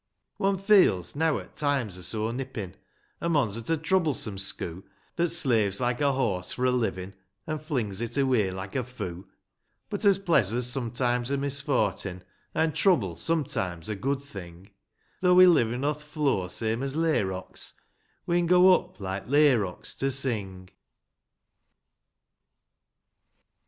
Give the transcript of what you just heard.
vi. One feels, neaw 'at times are so nippin', A mon's at a troublesome schoo', That slaves like a horse for a hvin', An' flings it away hke a foo ; But, as pleasur's sometimes a misfortin' An' trouble sometimes a good thing, — Though we livin' o'th floor same as layrocks, We'n go up, like layrocks, to sing